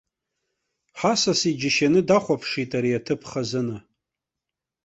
Ҳасас иџьашьаны дахәаԥшит ари аҭыԥ хазына.